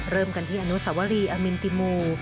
เริ่มกันที่อนุสวรีอมินติมู